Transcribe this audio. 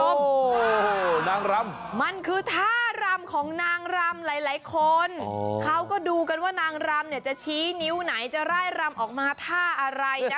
โอ้โหนางรำมันคือท่ารำของนางรำหลายคนเขาก็ดูกันว่านางรำเนี่ยจะชี้นิ้วไหนจะไล่รำออกมาท่าอะไรนะ